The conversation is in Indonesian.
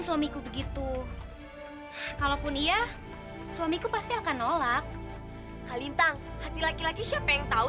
suamiku begitu kalaupun iya suamiku pasti akan nolak halintang hati laki laki siapa yang tahu